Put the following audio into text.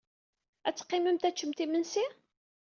Ad teqqimemt ad teččemt imensi?